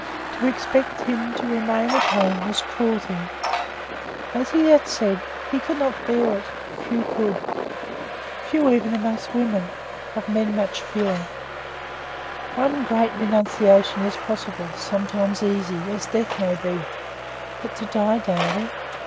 To expect him to remain at home was cruelty. As he had said, he could not bear it few could. Few even among women of men much fewer. One great renunciation is possible, sometimes easy, as death may be; but to "die daily?"